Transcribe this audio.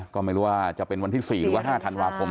ก็ไม่รู้ว่าจะเป็นวันที่๔หรือว่า๕ธันวาคม